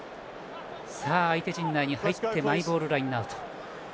相手陣内に入ってマイボールラインアウト。